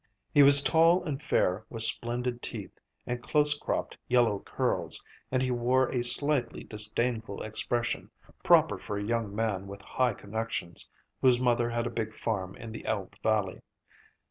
He was tall and fair, with splendid teeth and close cropped yellow curls, and he wore a slightly disdainful expression, proper for a young man with high connections, whose mother had a big farm in the Elbe valley.